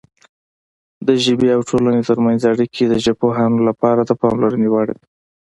د ژبې او ټولنې ترمنځ اړیکې د ژبپوهانو لپاره د پاملرنې وړ دي.